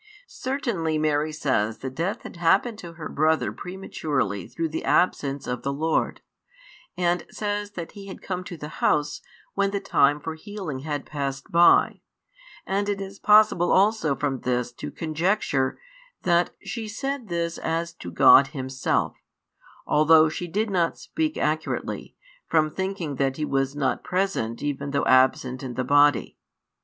Certainly Mary says that death had happened to her brother prematurely through the absence of the Lord, and says that He had come to the house, when the time for healing had passed by: and it is possible also from this to conjecture that she said this as to God Himself; although she did not speak accurately, from thinking that He was not present even though absent in the body.